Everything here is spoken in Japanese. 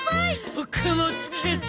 ボクもつけた。